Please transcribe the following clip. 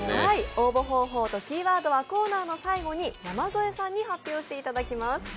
応募方法とキーワードはコーナーの最後に山添さんに発表してもらいます。